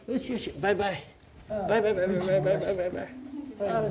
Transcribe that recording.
バイバイ。